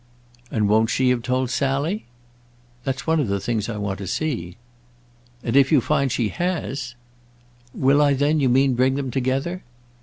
"And won't she have told Sally?" "That's one of the things I want to see." "And if you find she has—?" "Will I then, you mean, bring them together?"